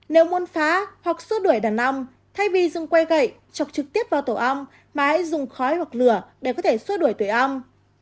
nếu muốn phá hoặc xua đuổi đàn ong thay vì dùng que gậy chọc trực tiếp vào tổ ong mà hãy dùng khói hoặc lửa để có thể xua đuổi ong